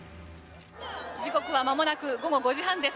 時刻はまもなく午後５時半です。